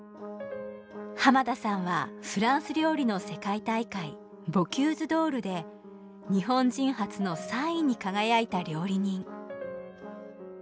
浜田さんはフランス料理の世界大会ボキューズ・ドールで日本人初の３位に輝いた料理人。